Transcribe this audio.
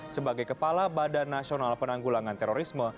sebagai kepala badan nasional penanggulangan terorisme